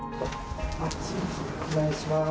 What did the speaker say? お願いします。